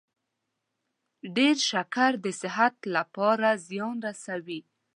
ډیر شکر د صحت لپاره زیان رسوي.